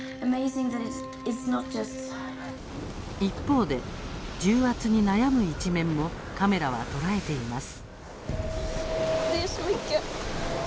一方で、葛藤し重圧に悩む一面もカメラは捉えています。